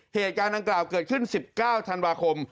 เหตุการณ์ดังกล่าวเกิดขึ้น๑๙ธันวาคม